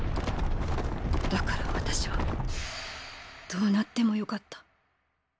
だから私はどうなってもよかった。